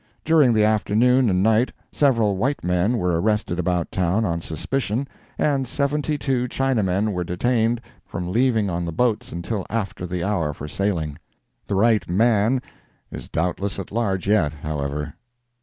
During the afternoon and night, several white men were arrested about town on suspicion, and seventy two Chinamen were detained from leaving on the boats until after the hour for sailing. The right man is doubtless at large yet, however.